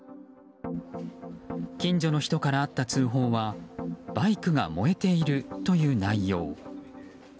近所の人からあった通報はバイクが燃えているという内容。